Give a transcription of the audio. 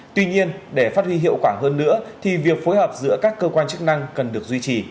tuy nhiên để phát huy hiệu quả hơn nữa thì việc phối hợp giữa các cơ quan chức năng cần được duy trì